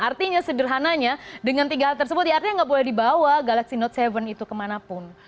artinya sederhananya dengan tiga hal tersebut ya artinya nggak boleh dibawa galaxy note tujuh itu kemanapun